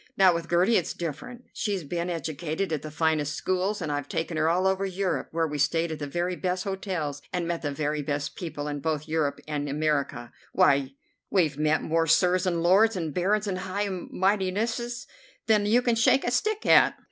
Now, with Gertie it's different. She's been educated at the finest schools, and I've taken her all over Europe, where we stayed at the very best hotels and met the very best people in both Europe and America. Why, we've met more Sirs and Lords and Barons and High Mightinesses than you can shake a stick at.